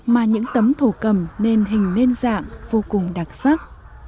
mà những tấm thổ cầm nên hình nên dạng vô cùng đặc sắc